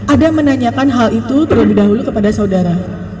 ada menanyakan hal itu terlebih dahulu kepada saudara